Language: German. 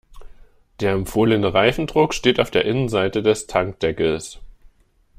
Der empfohlene Reifendruck steht auf der Innenseite des Tankdeckels.